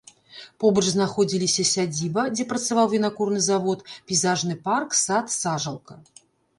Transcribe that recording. Побач знаходзіліся сядзіба, дзе працаваў вінакурны завод, пейзажны парк, сад, сажалка.